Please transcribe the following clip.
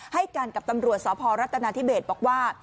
ให้การกับตำรวจสพรัฐนาธิเบศบอกว่า